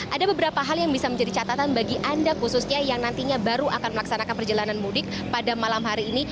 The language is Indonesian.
ada beberapa hal yang bisa menjadi catatan bagi anda khususnya yang nantinya baru akan melaksanakan perjalanan mudik pada malam hari ini